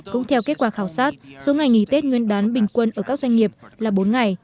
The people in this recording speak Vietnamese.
cũng theo kết quả khảo sát số ngày nghỉ tết nguyên đán bình quân ở các doanh nghiệp là bốn ngày